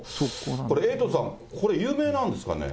エイトさん、これ有名なんですかね。